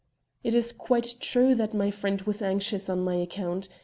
"It is quite true," he said, "that my friend was anxious on my account.